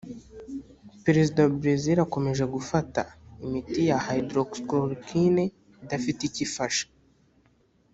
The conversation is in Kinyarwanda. perezida wa brezile akomeje gafata imiti ya hydroxychloroquine idafite icyo ifasha